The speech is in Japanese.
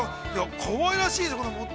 かわいらしいですね。